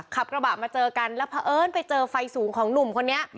ขับกระบะมาเจอกันแล้วเพราะเอิญไปเจอไฟสูงของหนุ่มคนนี้